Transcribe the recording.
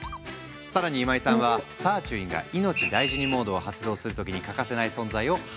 更に今井さんはサーチュインが「いのちだいじにモード」を発動する時に欠かせない存在を発見した。